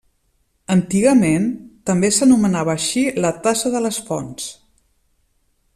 Antigament, també s'anomenava així la tassa de les fonts.